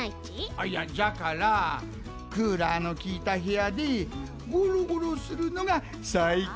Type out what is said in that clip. あっいやじゃからクーラーのきいたへやでゴロゴロするのがさいこうじゃ。